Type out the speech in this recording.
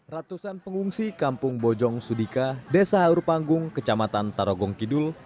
ratusan pengungsi kampung bojong sudika desa haur panggung kecamatan tarogong kidul